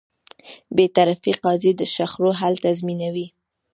بېطرفه قاضی د شخړو حل تضمینوي.